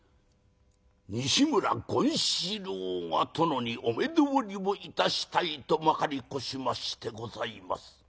「西村権四郎が殿にお目通りをいたしたいとまかり越しましてございます」。